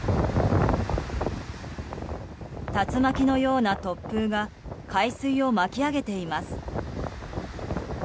竜巻のような突風が海水を巻き上げています。